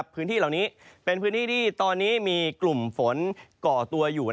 พื้นที่เหล่านี้เป็นพื้นที่ที่ตอนนี้มีกลุ่มฝนก่อตัวอยู่